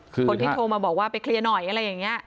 คนที่โทรมาบอกว่าไปเคลียร์หน่อยอะไรอย่างนี้